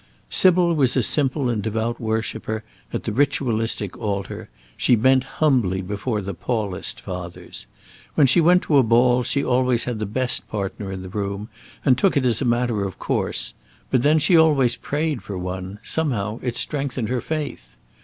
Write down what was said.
Sybil was a simple and devout worshipper at the ritualistic altar; she bent humbly before the Paulist fathers. When she went to a ball she always had the best partner in the room, and took it as a matter of course; but then, she always prayed for one; somehow it strengthened her faith.